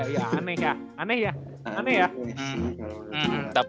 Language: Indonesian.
ya aneh ya aneh ya